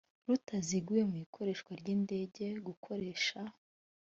rutaziguye mu ikoreshwa ry indege gukoresha